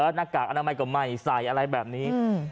หน้ากากอันดับใหม่กับใหม่ใส่อะไรแบบนี้